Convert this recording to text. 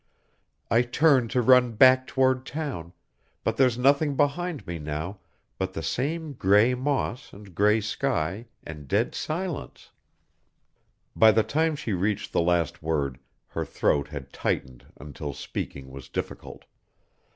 I turn to run back toward town, but there's nothing behind me now but the same gray moss and gray sky and dead silence." By the time she reached the last word, her throat had tightened until speaking was difficult.